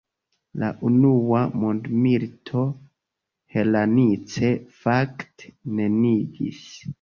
La unua mondmilito Hranice fakte neniigis.